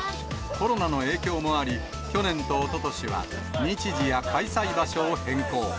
コロナの影響もあり、去年とおととしは、日時や開催場所を変更。